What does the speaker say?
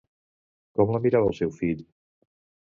Com la mirava el seu fill?